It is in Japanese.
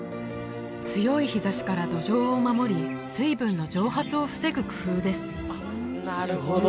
強い日ざしから土壌を守り水分の蒸発を防ぐ工夫です